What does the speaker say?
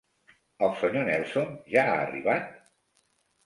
El senyor Nelson ja ha arribat?